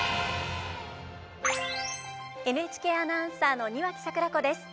ＮＨＫアナウンサーの庭木櫻子です。